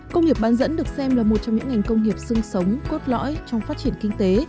công nghiệp bán dẫn được xem là một trong những ngành công nghiệp sưng sống cốt lõi trong phát triển kinh tế